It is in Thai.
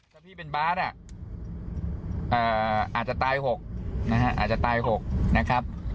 ถ้าพี่เป็นบาทอาจจะตาย๖นะฮะอาจจะตาย๖นะครับ